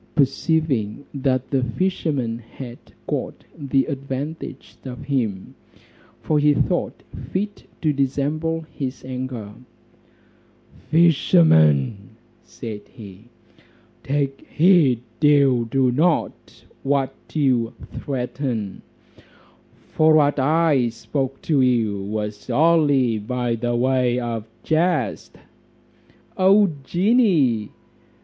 Perceiving that the fisherman had got the advantage of him, for he thought fit to dissemble his anger; "Fishermen," said he, "take heed you do not what you threaten; for what I spoke to you was only by way of jest." "O genie!"